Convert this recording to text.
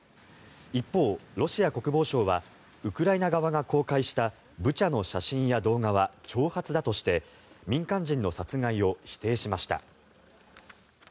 一方、ロシア国防省はウクライナ側が公開したブチャの写真や動画は挑発だとして民間人の殺害を否定しました。